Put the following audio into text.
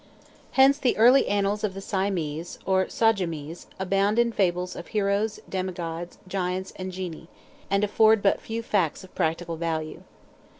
Hence the early annals of the Siamese, or Sajamese, abound in fables of heroes, demigods, giants, and genii, and afford but few facts of practical value.